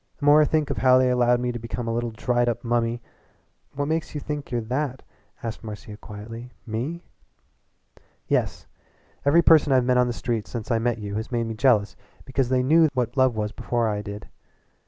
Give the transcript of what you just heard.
The more I think of how they allowed me to become a little dried up mummy " "What makes you thank you're that?" asked Marcia quietly "me?" "Yes. Every person I've met on the streets since I met you has made me jealous because they knew what love was before I did.